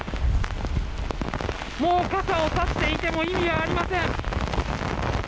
もう傘をさしていても意味がありません。